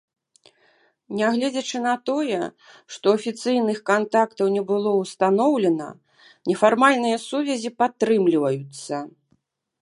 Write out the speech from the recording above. Нягледзячы на тое, што афіцыйных кантактаў не было ўстаноўлена, нефармальныя сувязі падтрымліваюцца.